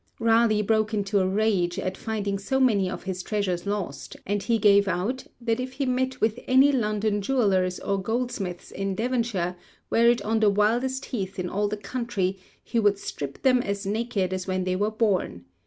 Raleigh broke into rage at finding so many of his treasures lost, and he gave out that if he met with any London jewellers or goldsmiths in Devonshire, were it on the wildest heath in all the county, he would strip them as naked as when they were born.